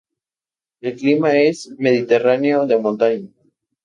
El clima es mediterráneo de montaña.